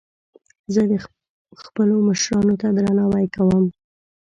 زه خپلو مشرانو ته درناوی کوم